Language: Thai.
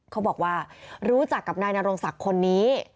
เขาบอกว่ารู้จักกับนายนรงศักดิ์คนนี้